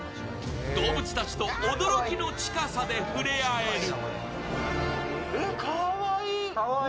動物たちと驚きの近さで触れ合える。